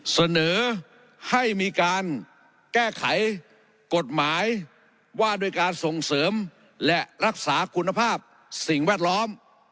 เสนอให้มีการแก้ไขกฎหมายว่าด้วยการส่งเสริมและรักษาคุณภาพสิ่งแวดล้อม